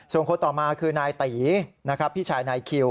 ส่วนคนต่อมาคือนตีพี่ชายนคิว